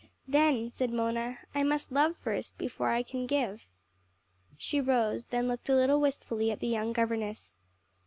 "Then," said Mona, "I must love first, before I can give." She rose, then looked a little wistfully at the young governess.